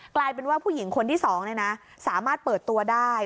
กลายเป็นว่าผู้หญิงคนที่๒สามารถเปิดตัวได้